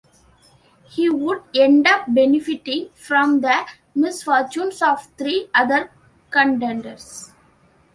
He would end up benefitting from the misfortunes of three other contenders.